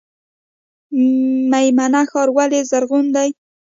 میمنه ښار ولې زرغون دی؟